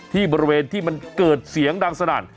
ที่บริเวณที่มันเกิดเสียงดังสนั่น